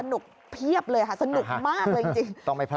สนุกเทียบเลยสนุกมากเลยจริง